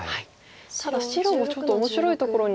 ただ白もちょっと面白いところにいきましたよね。